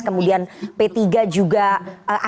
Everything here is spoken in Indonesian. kemudian p tiga juga akhir akhir ini mendekatkan